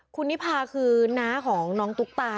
คุณนิพาคือน้าของน้องตุ๊กตา